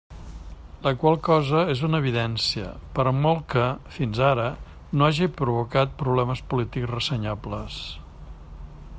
La qual cosa és una evidència, per molt que, fins ara, no haja provocat problemes polítics ressenyables.